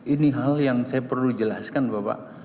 ini hal yang saya perlu jelaskan bapak